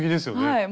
はい。